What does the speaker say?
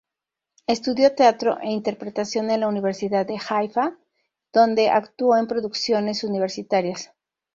Estudió teatro e interpretación en la Universidad de Haifa, donde actuó en producciones universitarias.